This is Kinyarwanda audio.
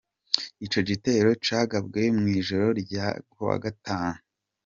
Ico gitero cagabwe mw'ijoro ry'ejo kuwa gatatu.